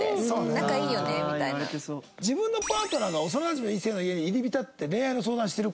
自分のパートナーが幼なじみの異性の家に入り浸って恋愛の相談してる。